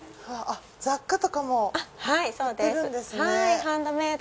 はいそうです。